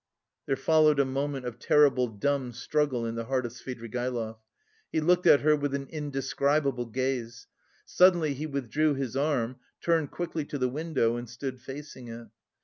There followed a moment of terrible, dumb struggle in the heart of Svidrigaïlov. He looked at her with an indescribable gaze. Suddenly he withdrew his arm, turned quickly to the window and stood facing it.